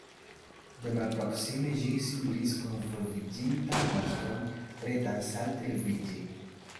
De malproksime ĝi similis kunvolviĝintan monstron, pretan salte leviĝi.